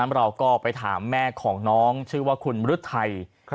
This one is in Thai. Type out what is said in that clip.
แล้วเราก็ไปถามแม่ของน้องชื่อว่าคุณบรุษไทย